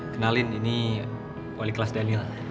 kenalin ini wali kelas daniel